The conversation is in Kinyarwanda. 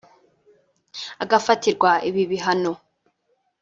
Agifatirwa ibi bihano